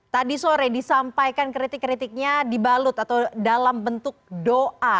tadi sore disampaikan kritik kritiknya dibalut atau dalam bentuk doa